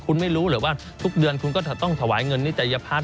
คุณไม่รู้เหรอว่าทุกเดือนคุณก็จะต้องถวายเงินนิจัยพัฒน